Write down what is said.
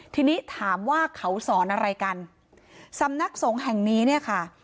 ทีนี้ถามว่าเขาสอนอะไรกันสำนักสงฆ์แห่งนี้เนี่ยค่ะ